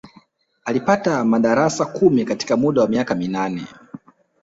Alipita madarasa kumi katika muda wa miaka minane